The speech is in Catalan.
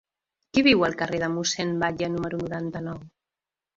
Qui viu al carrer de Mossèn Batlle número noranta-nou?